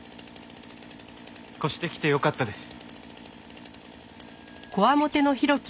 越してきてよかったです。